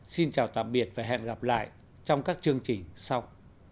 xin chào tạm biệt và hẹn gặp lại trong các chương trình sau